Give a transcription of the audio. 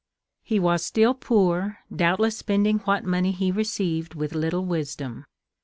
He was still poor, doubtless spending what money he received with little wisdom.